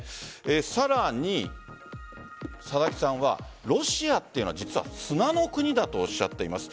さらに佐々木さんはロシアは実は砂の国だとおっしゃっています。